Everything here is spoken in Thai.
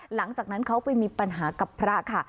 หลังจากนั้นเขาไปมีปัญหากับพระค่ะ